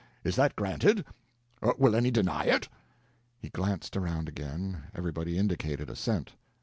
Is that granted? Will any deny it?" He glanced around again; everybody indicated assent.